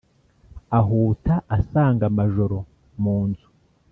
Ahuta asanga Majoro mu nzu,